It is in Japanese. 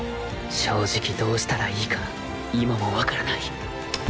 正直どうしたらいいか今もわからない。